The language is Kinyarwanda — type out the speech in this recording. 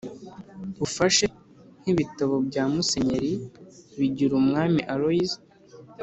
ufashe nk’ibitabo bya musenyeri bigirumwami aloys